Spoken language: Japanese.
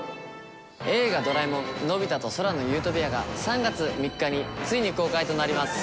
『映画ドラえもんのび太と空の理想郷』が３月３日についに公開となります。